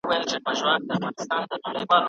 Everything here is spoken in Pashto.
د رقیبانو له سرکوبه خو چي نه تېرېدای